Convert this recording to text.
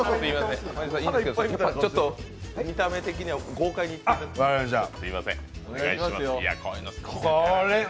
ちょっと見た目的には豪快にいっていただければ。